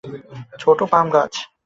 ছোট্ট পাম গাছ।